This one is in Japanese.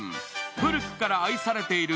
古くから愛されている